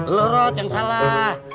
lo rot yang salah